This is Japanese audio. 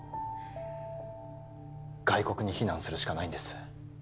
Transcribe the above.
外国に避難するしかないんです